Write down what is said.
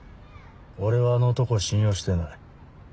俺はあの男を信用してない。